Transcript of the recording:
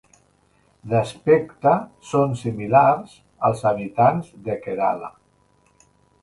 D'aspecte són similars als habitants de Kerala.